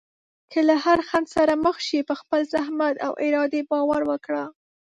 که له هر خنډ سره مخ شې، په خپل زحمت او ارادې باور وکړه.